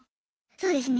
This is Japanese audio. そうですね。